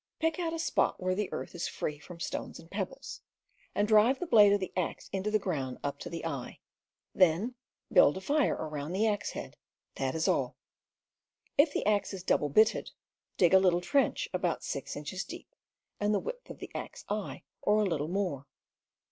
Pick out a spot where the earth is free from stones and pebbles, and drive the blade of the axe into the ground up to the eye. Then build a fire around the axe head — that is all. If the axe is double bitted, dig a little trench about six inches deep and the width of the axe eye, or a little more.